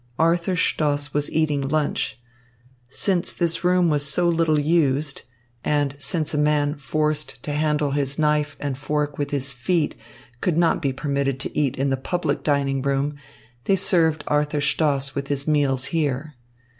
Arthur Stoss was eating lunch. Since this room was so little used and since a man forced to handle his knife and fork with his feet could not be permitted to eat in the public dining room, they served Arthur Stoss with his meals here.